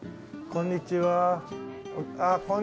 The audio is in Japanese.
こんにちは。